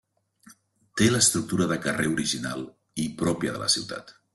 Té l'estructura de carrer original i pròpia de la ciutat.